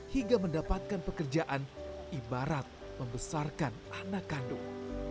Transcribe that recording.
hingga mendapatkan pekerjaan ibarat membesarkan anak kandung